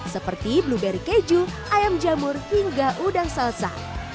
seperti blueberry keju ayam jamur hingga udang salsa